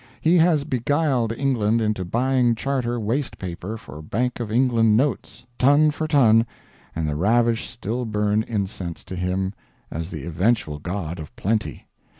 He has beguiled England into buying Charter waste paper for Bank of England notes, ton for ton, and the ravished still burn incense to him as the Eventual God of Plenty.